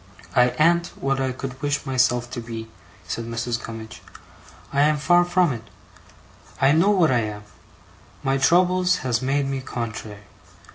'I an't what I could wish myself to be,' said Mrs. Gummidge. 'I am far from it. I know what I am. My troubles has made me contrary.